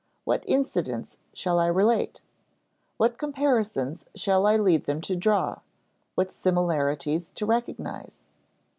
What incidents shall I relate? What comparisons shall I lead them to draw, what similarities to recognize?